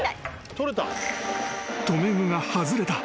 ［留め具が外れた］